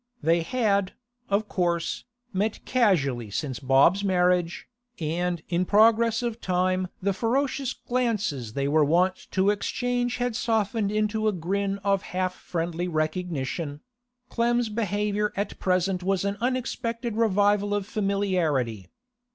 They had, of course, met casually since Bob's marriage, and in progress of time the ferocious glances they were wont to exchange had softened into a grin of half friendly recognition; Clem's behaviour at present was an unexpected revival of familiarity.